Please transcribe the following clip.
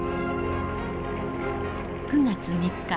９月３日。